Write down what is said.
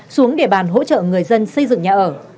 xuống địa bàn hỗ trợ người dân xây dựng nhà ở